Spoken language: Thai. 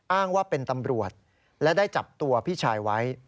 อ้างว่าเป็นตำรวจและได้จับตัวพี่ชายไว้